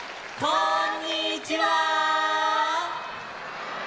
こんにちは！